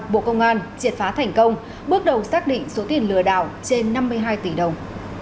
bộ công an triệt phá thành công bước đầu xác định số tiền lừa đảo trên năm mươi hai tỷ đồng